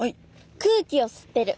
空気を吸ってる。